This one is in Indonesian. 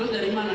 lalu dari mana